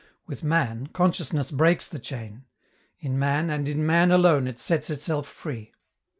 With man, consciousness breaks the chain. In man, and in man alone, it sets itself free.